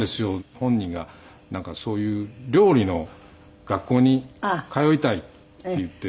本人がなんかそういう料理の学校に通いたいって言って。